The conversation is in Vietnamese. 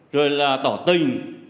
rồi là tỏ tình